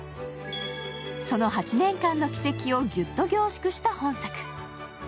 その８年間の軌跡をギュッと凝縮した一冊。